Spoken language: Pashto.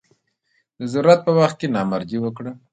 د ضرورت په وخت کې نامردي وکړه.